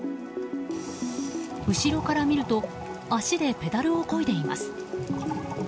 後ろから見ると足でペダルをこいでいます。